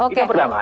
itu yang pertama